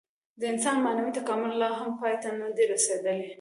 د انسان معنوي تکامل لا هم پای ته نهدی رسېدلی.